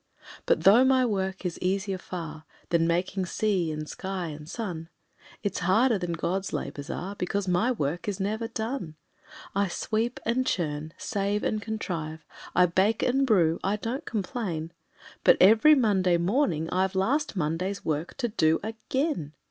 But though my work is easier far Than making sky and sea and sun, It's harder than God's labours are, Because my work is never done. I sweep and churn, save and contrive, I bake and brew, I don't complain, But every Monday morning I've Last Monday's work to do again.